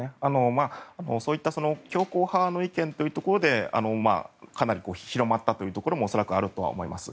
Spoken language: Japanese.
そういった強硬派の意見というところでかなり、広まったというところも恐らくあると思います。